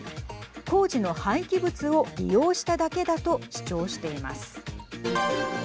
工事の廃棄物を利用しただけだと主張しています。